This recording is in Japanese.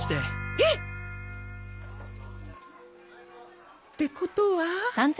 えっ？ってことは。